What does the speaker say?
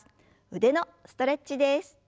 腕のストレッチです。